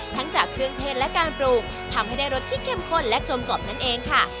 ทั้งจากเครื่องเทศและการปลูกทำให้ได้รสที่เข้มข้นและกลมกล่อมนั่นเองค่ะ